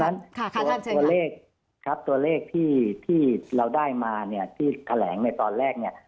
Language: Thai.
เพราะฉะนั้นตัวเลขที่เราได้มาเนี่ยที่แขลงในตอนแรกเนี่ย